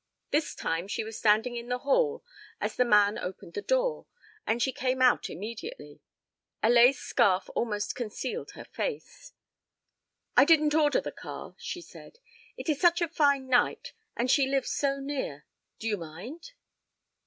This time she was standing in the hall as the man opened the door, and she came out immediately. A lace scarf almost concealed her face. "I didn't order the car," she said. "It is such a fine night, and she lives so near. Do you mind?"